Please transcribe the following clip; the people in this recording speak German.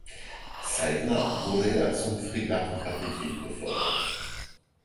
Zeitnah wurde er zum Fregattenkapitän befördert.